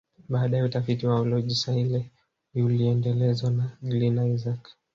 Baadae utafiti wa Olorgesailie uliendelezwa na Glynn Isaac